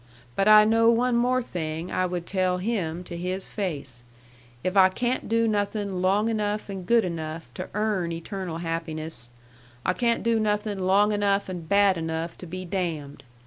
But I know one more thing I would tell Him to His face: if I can't do nothing long enough and good enough to earn eternal happiness, I can't do nothing long enough and bad enough to be damned.